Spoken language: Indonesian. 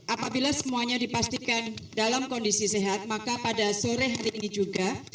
apabila semuanya dipastikan dalam kondisi sehat maka pada sore hari ini juga